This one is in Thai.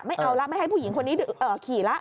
ไม่เอาแล้วไม่ให้ผู้หญิงคนนี้ขี่แล้ว